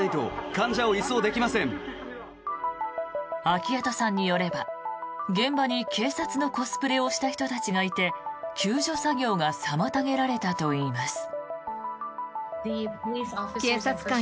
アキヤトさんによれば現場に警察のコスプレをした人たちがいて救助作業が妨げられたといいます。